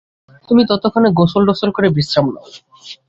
তুমি ততক্ষণে গোসলটোসল করে বিশ্রাম নাও।